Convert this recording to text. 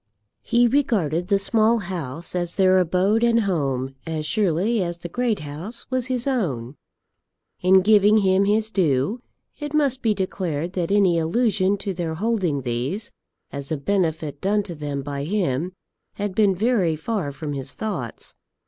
He regarded the Small House as their abode and home as surely as the Great House was his own. In giving him his due, it must be declared that any allusion to their holding these as a benefit done to them by him had been very far from his thoughts.